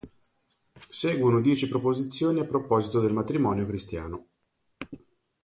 Seguono dieci proposizioni a proposito del matrimonio cristiano.